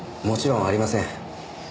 もちろんありません。